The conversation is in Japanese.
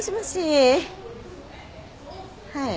はい。